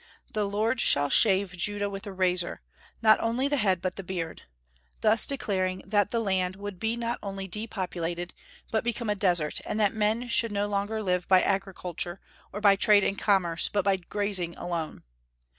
"The Lord shall shave Judah with a razor, not only the head, but the beard," thus declaring that the land would be not only depopulated, but become a desert, and that men should no longer live by agriculture, or by trade and commerce, but by grazing alone.